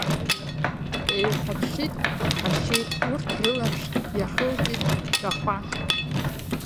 Еихәаԥшит, иԥхашьеит, урҭ рылаԥш иахылҵит шәахәак.